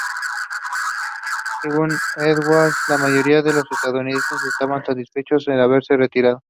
Según Edwards, la mayoría de los estadounidenses estaban satisfechos de haberse retirado.